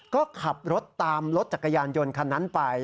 ก็ขับรถตามรถจักรยานยนต์คันนั้นไป